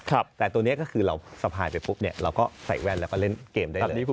แต่ตัวนี้ก็คือเราสะพายไปปุ๊บเนี่ยเราก็ใส่แว่นแล้วก็เล่นเกมได้เลย